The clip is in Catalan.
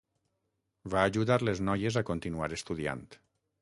Va ajudar les noies a continuar estudiant.